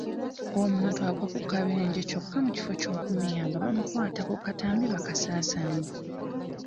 Omuntu agwa ku kabenje kyokka mu kifo ky'omuyamba bamukwata ku katambi bakasaasaanye.